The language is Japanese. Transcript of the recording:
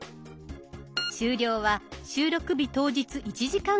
終了は収録日当日１時間後です。